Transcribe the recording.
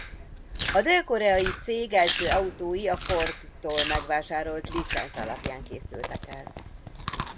A dél-koreai cég első autói a Fordtól megvásárolt licenc alapján készültek el.